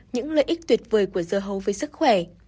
một những lợi ích tuyệt vời của dơ hấu với sức khỏe